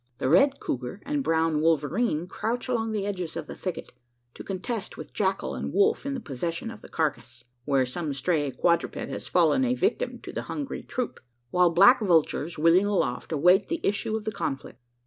The red couguar and brown wolverene crouch along the edges of the thicket, to contest with jackal and wolf the possession of the carcass, where some stray quadruped has fallen a victim to the hungry troop; while black vultures wheeling aloft, await the issue of the conflict.